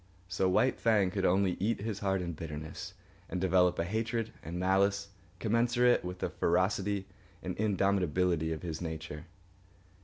So White Fang could only eat his heart in bitterness and develop a hatred and malice commensurate with the ferocity and indomitability of his nature.